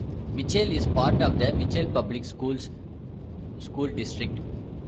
Mitchell is part of the Mitchell Public Schools School District.